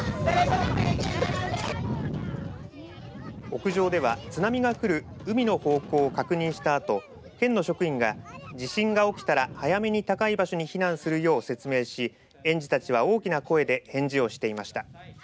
屋上では津波が来る海の方向を確認したあと県の職員が地震が起きたら早めに高い場所に避難するよう説明し、園児たちは大きな声で返事をしていました。